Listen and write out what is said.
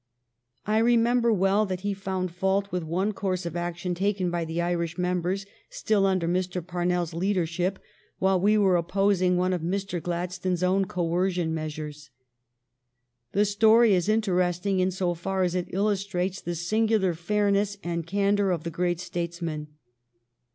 I remember well that he found fault with one course of action taken by the Irish members, still under Mr. Parnells leadership, while we were opposing one of Mr. Gladstone s own coercion measures. The story is interesting in so far as it illus trates the singular fairness and candor of the great statesman.